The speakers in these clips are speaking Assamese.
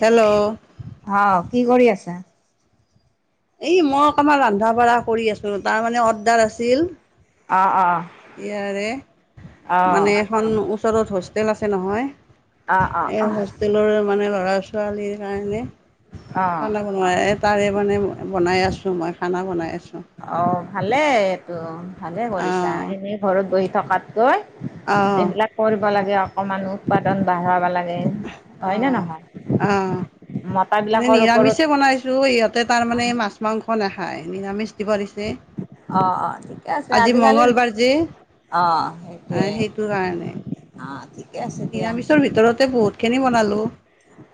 হেল্ল'! অ', কি কৰি আছা? এই মই অকণমান ৰন্ধা বঢ়া কৰি আছোঁ ৰ' তাৰমানে অৰ্ডাৰ আছিল। অ', অ'। ইয়াৰে, মানে অ', এখন ওচৰত হোষ্টেল আছে নহয়। অ', এ, অ', হোষ্টেলৰ মানে ল'ৰা ছোৱালীৰ কাৰণে অ'। বনাই তাৰে মানে বনাই আছোঁ মই, খানা বনাই আছোঁ। অ', ভালে এইটো ভালে কৰিছা, অঁ এনেই ঘৰত বহি থকাতকৈ। অঁ এইবিলাক কৰিব লাগে অকমান উৎপাদন বাঢ়াব লাগে। হয়নে অঁ নহয়, অঁ মতাবিলাকৰ ওপৰত টো ইহঁতে তাৰমানে অ', মাছ মাংস নাখায়, নিৰামিষ দিব দিছে। অ', অ', ঠিকে আছে আজি আজিকালি মঙলবাৰ যে অ', সেইটোৱে অ'। আছে এ, দিয়া নিৰামিষৰ ভিতৰতে বহুতখিনি বনালোঁ।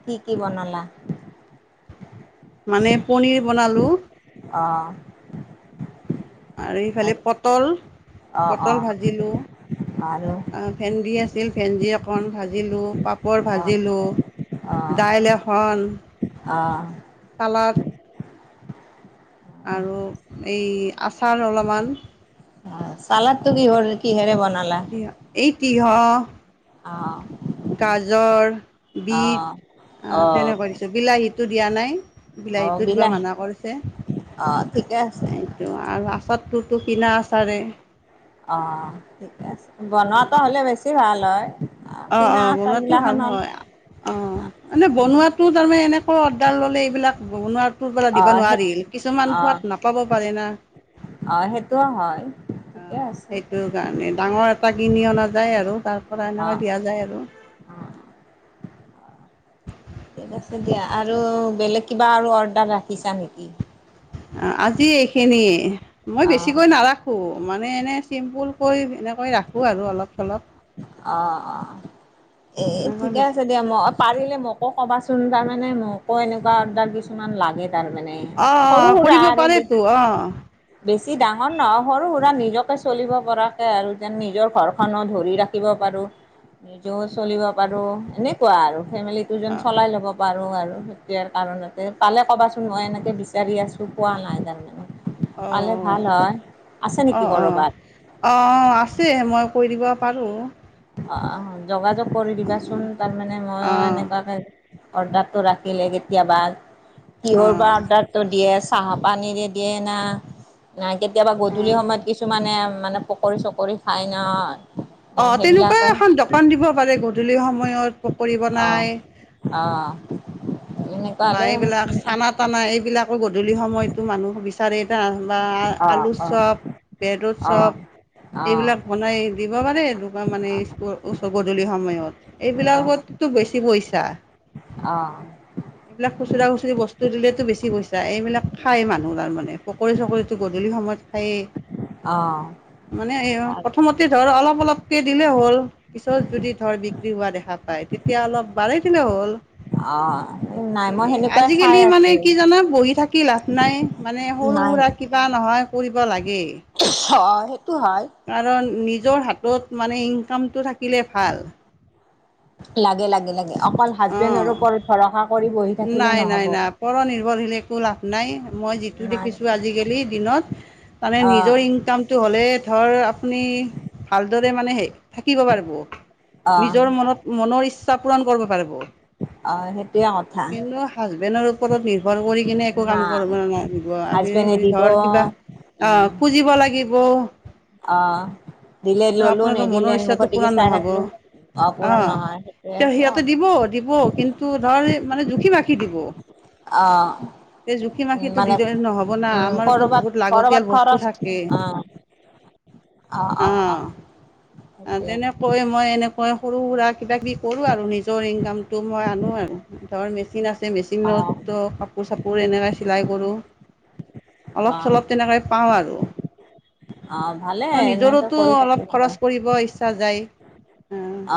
কি কি বনালা? মানে পনীৰ বনালোঁ। অ'। আৰু ইফালে পটল, অ', পটল অ', ভাজিলোঁ। আৰু ভেন্দি আছিল ভেন্দি অকণ ভাজিলোঁ পাপ পাপৰ অ', ভাজিলোঁ অ', দাইল এখন অ'। চালাত আৰু এই আচাৰ অলপমান চালাদটো কি কিহেৰে বনালা। এতিহ অ'। গাজৰ অ বিট অ তেনেকুৱা দিছোঁ বিলাহীটো দিয়া নাই। অ বিলাহীতটো দিবা বিলাহী মানা কৰিছে। অ ঠিকে আছে আৰু আচাৰটোতো কিনা আচাৰে। অ' ঠিক আছে বনোৱাটো হ'লে বেছি ভাল হয়। অ', কিনা অ' আচাৰ বনোৱাতো গিলাখান ভাল হ'ল হয়। অ' মানে বনোৱাতো তাৰমানে এনেকৈ অৰ্ডাৰ ললে এইবিলাক বনাত ত পৰােলা অ দিব সেই নোৱাৰিল কিছুমান অ সোৱাদ নাপাব পাৰে না। অ সেইটোও হয়। ঠিকে অ' আছে সেইটো কাৰণে ডাঙৰ এটা কিনি অনা যায় আৰু তাৰ পৰা অ এনেকা প যায় আৰু। ঠিক আছে দিয়া আৰু বেলেগ কিবা আৰু অৰ্ডাৰ ৰাখিছা নেকি? আজি এইখিনিয়ে মই অ বেছিকৈ নাৰাখো। ৰাখো মানে এনেই চিম্পুলকৈ এনেকৈ ৰাখো আৰু অলপ চলপ। অ', অ' এ এনেকৈ ঠিকে বেছি আছে দিয়া মোক পাৰিলে মোকো ক'বাচোন তাৰমানে মোকো এনেকুৱা অৰ্ডাৰ কিছুমান লাগে তাৰমানে। অ', সৰু অ' সুৰা কৰিব আৰু পাৰে তো অ'। বেছি ডাঙৰ নহও সৰু সুৰা নিজকে চলিব পৰাকে আৰু যেন নিজৰ ঘৰখনো ধৰি ৰাখ থ প নিজেও চলিব পাৰো এনেকুৱা আৰু ফেমিলিজন অ', চলাই ল'ব প পাৰো আৰু তেতিয়াৰ কাৰণতে কালে ক'বাচোন মই এনেকে গি আছো পোৱা নাই তাৰ পালে ভাল অ', হয় আছে নেকি অ', অ'। কৰ'ৰবাত? অ' আছে মই কৰি দিব পাৰোঁ অ' যোগাযোগ কৰি দিবাচোন তাৰমানানে মইো অ', এনেকুৱাকে অৰ্ডাৰটো ৰাখিলে কেতিয়াবা কিহৰ বা অ'। অৰ্ডাৰটো দিয়ে চাহ পানীৰে দিয়ে না ন কেতিয়াবা গধূলি সময়ত কিছুমানে মানে পকৰি চকৰি খায় ন। অ' তেনেকুৱা সেইবিলাকে এখন দোকান দিব পাৰে গধূলি সময়ত পকী অ', বনাই অ'। এনেকুৱা বা হ'লে এইবিলাক চানা তানা এইবিলাকো গধূলি সময়তো মানুহ বিচাৰেতি। বা অ', অ', আলুৰ অ', চপ বেডৰ অ', চপ এইবিলাক বনাই দিব পাৰে দু মানে স্ ওচ গধূলি সময়ত অ', এইবিলাকততো বেছি পইচা। অ'। এইবিলাক খুচুৰা খুচৰি বস্তু দিলেতো বেছি পইচা এইবিলাক খায় মানুহ তাৰমানে পকৰি চকৰিটো গধূলি সময়ত সেই। আহ। মানে এই প্ৰথমতে ধৰ অলপ অলপ ক দিলে হ'ল পিছত যদি ধৰ বিক্ৰী হোৱা দেখা পায় তেতিয়া অলপ বাঢ়ি দিলে হ'ল। অ'। নাই মই সেনেকুৱাই চাই আজিকালি মানে আছোঁ কি জানা বহি থাকে কি লাভ নাই মানে সৰু নাই সুৰা কিবা নহয় কৰিব লাগেই। অ' সেইটো হয়। কাৰণ নিজৰ হাতত মানে ইনকামটো থাকিলে ভাল। লাগে লাগে লাগে অকল হাজবেণ্ডৰ অঁ ওপৰত ভৰসা কৰি বহি থাকে নাই নাই নাই পৰ নিৰ্ভৰশীলে লাভ নাই মই যিটো নাই দেখিছো আজি কালি দিনত মানে অ নিজৰ ইনকাম টো হ'লে ধৰ আপুনি ভালদৰে মানে হেই থাকিব পাৰিব। অ নিজৰ মনত মনৰ ইচ্ছা পূৰণ কৰিব পাৰিব। অ' সেইটোয়ে কথা। কিন্তু হাজবেণ্ডৰ ওপৰত নিৰ্ভৰ কৰি কিনে একো না কাম কৰিব নালাগিব, আমি হাজবেণ্ডে দিব ধৰ কিবা উম অ' খুজিব লাগিব অ' দিলে ললো আপোনাৰো নিদিলে মুখৰ দিগে চাই থাকিলো। পূৰণ অ' নহয় সেইটোৱে তে সেইটোৱে সিহঁতে কথা দিব দিব কিন্তু ধৰ মানে জুখি মাখি দিব। অঁ। এই জুখি উ মাখিটো মানে দিলে নহ'ব না উম আমাৰতো কৰবাত বহুত লাগতিয়াল কৰবাত বস্তু খৰচ থাকে অ' অ' অ' অ' কৈ মই এনেকৈ সৰু সুৰা কিবাকিবি কৰোঁ আৰু নিজৰ ইনকামটো মই আনো আৰু। ধৰ মেচিন আছে, অ মেচিনতো কাপোৰ চাপোৰ এনেকৈ চিলাই কৰোঁ। অ অলপ চলপ তেনেকৈ পাওঁ আৰু। অ' ভালে ত এনেকে নিজৰতো কৰি অলপ থাকিব খৰচ কৰিব ইচ্ছা যায়।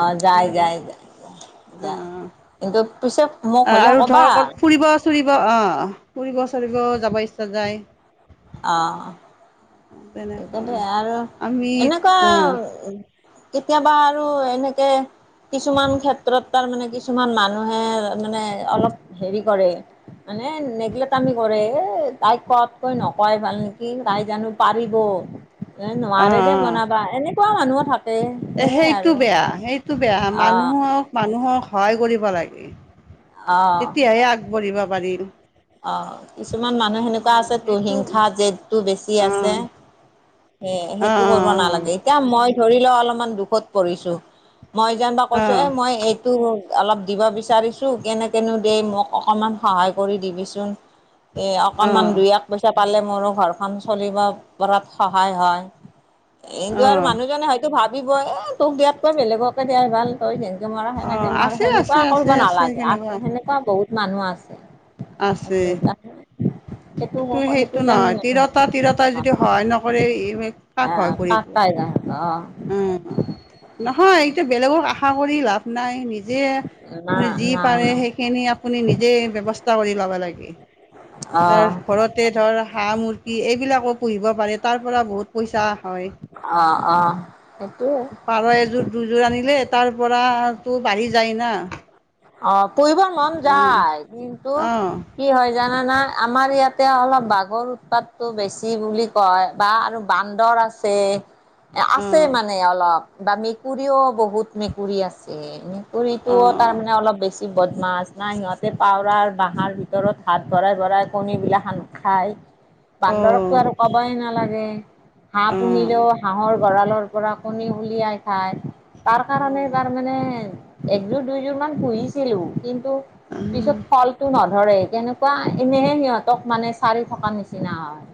অ' যায় যায় যায়, অ' কিন্তু পিছত আৰু ধৰক ফুৰিব চুৰিব অ' ফুৰিব চুৰিব যাব ইচ্ছা যায় অঁ। সতে তেনেকৈ আৰু আমি এনেকুৱা অঁ কেতিয়াবা আৰু এনেকে কিছুমান ক্ষেত্ৰত তাৰ মানে কিছুমান মানুহে মানে অলপ হেৰি কৰে। মানে নেগলেক্ট আমি কৰে, এ তাইক কোৱাতকৈ নকোৱাই ভাল নেকি তাই জানো পাৰি টো এ অঁ নোৱাৰে দে বনাবা এনেকুৱা মানুহো থাক এ সেইটো বেয়া সেইটো বেয়া, মানুহক মানুহক সহায় কৰিব লাগে, অ' অ' তেতিয়াহে আগবাঢ়িব পাৰিম। অ' কিছুমান মানুহ সেনেকুৱা অঁ আছে তো সেইটো হিংসা জেদটো বেছি আছে। অঁ এ অঁ সেইটো কৰিব নালাগে। এতিয়া মই ধৰি ল অলপমান দুখত পৰিছো, মই যেনিবা কৈছো এ অঁ মই তো অলপ দিব বিচাৰিছো, কেনে কেনো দেই মোক অকনমান সহায় কৰি দিবিচোন। এ অঁ অকনমান দুই এক পইচা পালে মোৰো ঘৰখন চলিব পৰাত সহায় হয়। এইতো আৰু অঁ মানুহজনে হয়তো ভাবিবই এ তোক দিয়াত কৈ বেলেগক দিয়াই ভাল তই যেনকে মৰা অঁ সেনেকে মৰ আছে আছে সেনেকুৱা আছে কৰিব আছে নালাগে আস কেনেকুৱা সেনেকুৱা বহুত মানুহ আছে। আছে তাত সেইটো সেইটো জেন নহয় তিৰতা তিৰতাই [unintelligible] যদি সহায় নকৰে কাক সহায় কৰিব [unintelligible] উম, নহয় এতিয়া বেলেগক আশা কৰি লাভ নাই নিজে না আপুনি যি নাই পাৰে নাই সেইখিনি আপুনি নিজে ব্যৱস্থা কৰি লবা লাগে। অ ধৰ ঘৰতে ধৰ হাঁহ মুৰ্গী এইবিলাকো পুহিব পাৰে তাৰ পৰা বহুত পইচা হয়। অ' অ' সেইটোয়ে। পাৰ এযোৰ দুযোৰ আনিলে, তাৰ পৰা তো বাঢ়ি যায় না! অ' পুহিব মন অ যায় কিন্তু অ কি হয় জানানা আমাৰ ইয়াতে অলপ বাঘৰ উৎপাতটো বেছি বুলি কয়। বা আৰু বান্দৰ আছে। অ আছে মানে অলপ বা মেকুৰীও বহুত মেকুৰী আছে। পুৰিতো অ তাৰমানে অলপ বেছি বদমাছ নাই সিহঁতে পাৱৰাৰ বাঁহৰ ভিতৰত হাত ভৰাই ভৰাই কণীবিলাক সান। অ বান্দৰকতো আৰু ক'বাই নালাগে। হাঁহ অ পুহিলেও, হাঁহৰ গঁৰা়লৰ পৰা কণী উলিয়াই খায়। তাৰ অ কাৰণে অ যাৰমানে একযোৰ দুইযোৰ মান পুহিছিলোঁ, কিন্তু অ কিন্তু ফলটো নধৰে, কেনেকুৱা এনেহে সিহঁতক মানে চাৰি থকা নিচিনা হয়।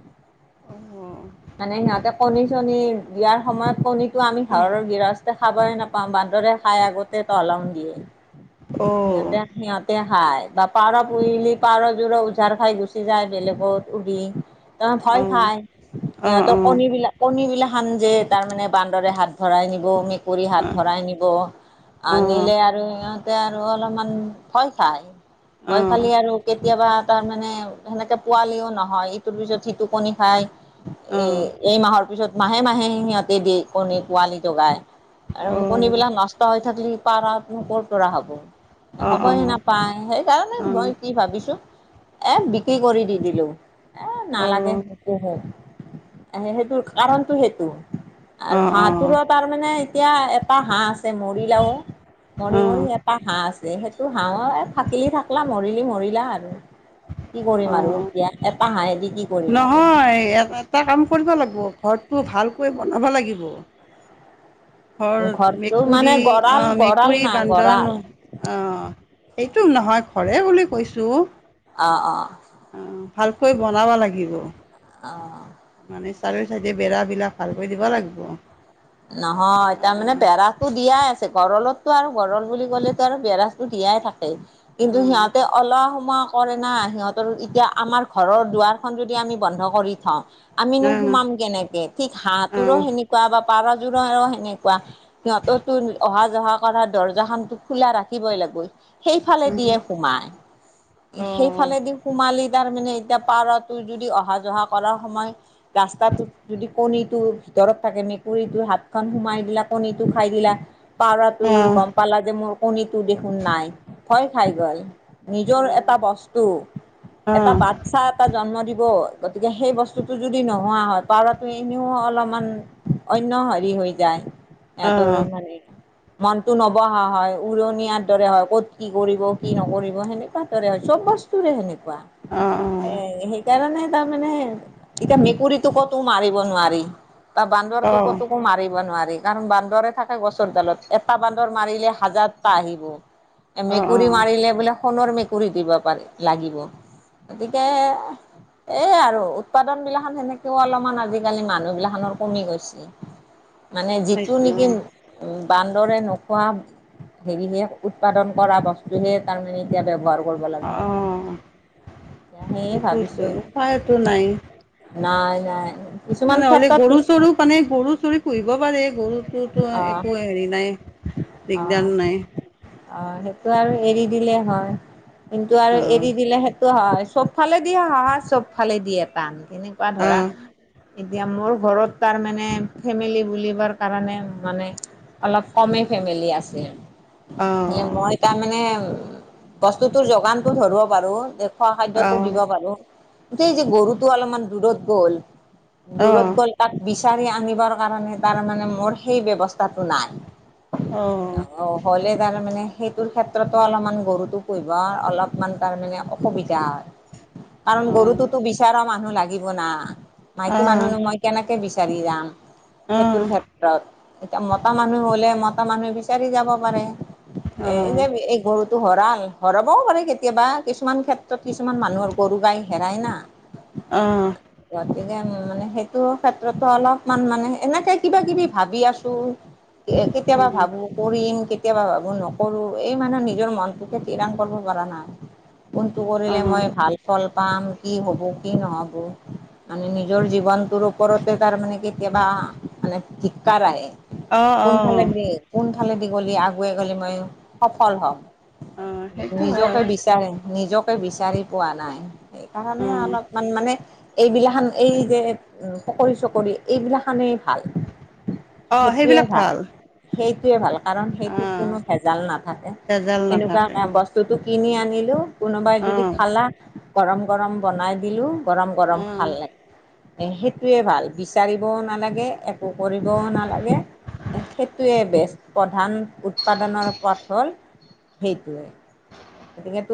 [inaudible] মানে সিহঁতে কণী চণী দিয়াৰ সময়ত কণীতটো আমি ঘৰৰ গৃহস্থ খাবই নাপাওঁ, বান্দৰেই খাই আগতে তহলং দিয়ে, অ অ অ অ অ অ অ অ অ সিহঁতে সিহঁতে খাই বা পাৰ পুহিলে, পাৰযোৰো উজাৰ খাই গুচি যায়, বেলেগত উৰি অ, ভয় খায়, সিহঁতৰ কণীবিলাক কণী বিলাক সান যে, তাৰমানানে বান্দৰে হাত ভৰাই নিব, মেক কুৰী ধৰি হাত ভৰাই নিব, আ অ অ নিলে আৰু সিহঁত আৰু অলপমান ভয় খাই, ভয় খালেই আৰু কেতিয়াবা তাৰমানে সেনেকে পোৱালিও নহয়, ইটোৰ পিছত সিটো কণী খায়। এ, এই মাহৰ পিছত, মাহে মাহে সিহঁতে দিয়ে কণী, পোৱালি জগায়। আৰু কণীবিলাক নষ্ট হৈ থাকিলে পাৰবোৰ ক'ৰ পৰা হ'ব? হ'বই নাপায়, সেইকাৰণে মই কি ভাবিছো? এই বিক্ৰী কৰি দি দিলো, এই নালাগে। এনে সেইটো, কাৰণতটো সেইটো আৰু হাঁহটোৰো তাৰমানে এতিয়া এটা হাঁহ আছে, মৰিলাও অ অ মৰিব হাঁহ আছে, সেইটো হাঁহ অ, থাকিল, থাকলা মৰিলি-মৰিলা আৰু কি কৰিম আমি এতিয়া? এটা হাহেহি কি কৰিম আৰু? হয়। এটা কাম কৰিব লাগিব, ঘৰটো ভালকৈ বনাব লাগিব। ঘৰ, ঘৰটো মেকুৰী, মানে গঁৰাল অ', গঁৰাল মেকুৰী না গঁৰাল বান্ধনো অ, এইটো নহয়, ঘৰেই বুলি কৈছোঁ। অ', অ'। অ, ভালকৈ বনাব লাগিব। অ'। মানে চাইডৰ চাইডে বেৰা বিলাক ভালকৈ দিব লাগিব। নহয়, তাৰমানে বেৰাটো দিয়াই আছে, গৰালতটো আৰু গৰল বুলি ক'লেতো আৰু বেৰা দিয়াই থাকে, অ কিন্তু সিহঁতে অলপ সময় কৰে না সিহঁতৰ, এতিয়া আমাৰ ঘৰৰ দুৱাৰখন যদি আমি বন্ধ কৰি থওঁ আমি সোমাম কেনেকে, ঠিক অ অ হাঁহো সেনেকুৱা বা পাৰযোৰো সেনেকুৱা। সিহঁতৰতো অহা যহা কৰা দৰ্জা খনটো খোলা ৰাখিবই লাগবই। সেইফালে দিয়ে সোমাই, সেইফালেদি সোমালি তাৰ মানে এতিয়া পাৰতো যদি অহা যহা কৰাৰ সময়, ৰাস্তাটোট যদি কণীটো ভিতৰত থাকে মেকুৰীটো হাতখন সোমাই দিলা কণীটো খাই দিলা। পাৰ অ তোই গ'ম পালা যে মোৰ কণীতটো দেখোন নাই, ভয় খাই গ'ল। নিজৰ এটা বস্তু, অ অ অ অ এটা বাট চা এটা জন্ম দিব, গতিকে সেই বস্তুটো যদি নোহোৱা হয়। পাৰত তোৱে এনেওঁ অলপমান অন্য হেৰি হৈ যায়। অ সিহঁতৰ মানে মনটো নবহা হয় উৰণীয়াৰ দৰে হয় ক'ত কি কৰিব কি নকৰিব সেনেকুৱা দৰে হয়। চব বস্তু তুৰে সেনেকুৱা। অ' অ'। এ সেইকাৰণে তাৰমানে এতিয়া মেকুৰীটো ক'তো মাৰিব নোৱাৰি। তাৰ অ বান্দৰটো ক'তকো মাৰিব নোৱাৰি। কাৰণ বান্দৰে থাকে গছৰ ডালত, এটা বান্দৰ মাৰিলে হাজাৰটা আহিব। অ অ অ মেকুৰী মাৰিলে বোলে সোণৰ মেকুৰী দিব পাৰি লাগিব। গতিকে এইয়ে আৰু উৎপাদন বিলাসন সেনেকুৱা অলপ আজিকালি মানুহ বিলাখনৰ কমি গৈছে। মানে যিটো নেকি বান্দৰে নোখোৱা হেৰিহে উৎপাদন কৰা বস্তুহে তাৰমানে এতিয়া ব্যৱহাৰ কৰিব লাগিব। সেইটোৱেতো এতিয়া সেয়ে ভাবিছো উপায়তো নাই নাই কিছুমান নহ'লে ক্ষেত্ৰত গৰু পিছ চৰু মানে গৰু চুৰি পুহিব পাৰে গৰুটোোতো অ একো হেৰি নাই অ দিগদান নাই অ সেইটো আৰু এৰি দিলে হয় কিন্তু আৰু অঁ এৰি দিলে স হয় চব ফালে দিয়ে সহা চব ফালে দিয়ে টান তেনেকুৱা ধৰা অঁ এতিয়া মোৰ ঘৰত তাৰ মানে ফেমিলি বুলিিবাৰ কাৰণে মানে অলপ কমেই ফেমিলি আছিল অঁ মই তাৰমানে উ বস্তুটোৰ যোগানতটো ধৰিব পাৰো খোৱা খাদ্্যতটো দিব পাৰো সেই যে গৰুতো অলপমান দূৰত গ'ল অঁ দূৰত অঁ গ'ল তাক বিচাৰি আনিবৰ কাৰণে তাৰ মানে মোৰ সেই ব্যৱস্থাটো নাই অ অ হ'লে তাৰমানে সেইটোৰ ক্ষেত্ৰতো অলপমান গৰুটো পুহব আৰু অলপমান তাৰমানানে অসুবিধা হয় কাৰণ অঁ গৰুটোোতো বিচৰা মানুহ লাগিব না অঁ মাইকী অঁ অঁ মানুহনো মই কেনেকে বিচাৰি যাম অঁ সেইটোৰ অঁ এতিয়া মতা মানুহ হলে মতা মানুহে বিচাৰি যাব পাৰে এ যে এই গৰু ো হঁৰাল হৰাবও পাৰে কেতিয়াবা কিছুমান ক্ষেত্ৰত কিছুমান মানুহৰ গৰু গাই হেৰাই না [inaudible] অঁ গতিকে মানে সেইটো ক্ষেত্ৰতো অলপমান মানে এনেকে কিবা কিবি ভাবি আছো কেতিয়াবা ভাবো কৰিম কেতিয়াবা ভাবো নকৰো এই মানুহে নিজৰ মনটোকে িৰাং কৰিব পৰা নাই কোনটো কৰিলে অঁ মই ভাল ফল পাম কি হ'ব কি নহ'ব মানে নিজৰ জীৱনটোৰ ওপৰতে তাৰ মানে কেতিয়াবা ধিক্কাৰায় অঁ পোন অঁ চালাগ গ কোনফালেদি গলি আগুৱে গলে মই সফল হম অঁ সেইটো হয় নিজকে বিচাৰে নিজকে বিচাৰি পোৱা নাই সেইকাৰণে অঁ অলপমান মানে এইবিলাখান এই যে চকৰি চকৰি এইবিলাখানেই ভাল অঁ সেইটোয়ে সেইবিলাক ভাল সেইটোয়ে ভাল কাৰণ সেইটোত অঁ কোনো ভেজাল নাথাকে ভেজাল এনেকুৱা নাথাকে বস্তুটো কিনি আনিলোঁ কোনোবাই যদি অঁ খালা গৰম গৰম বনাই দিলো গৰম গৰম অঁ খালে এ সেইটয়ে ভাল বিচাৰিবও নালাগে একো কৰিব নালাগে সেইটোৱে বেছ প্ৰধান উৎপাদনৰ পথ হ'ল সেইটোৱে গতিক